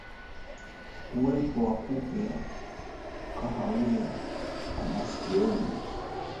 Uwepo wa kupe wa kahawia wa masikioni